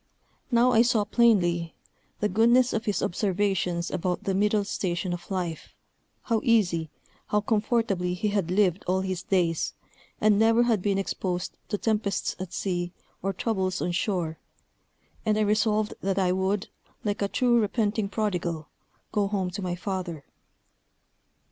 Now I saw plainly the goodness of his observations about the middle station of life, how easy, how comfortably he had lived all his days, and never had been exposed to tempests at sea, or troubles on shore; and I resolved that I would, like a true repenting prodigal, go home to my father.